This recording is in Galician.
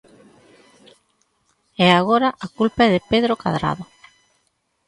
E agora a culpa é de Pedro Cadrado.